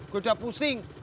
gue udah pusing